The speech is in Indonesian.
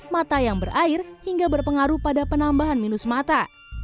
mata yang berair hingga berpengaruh pada penambahan minus mata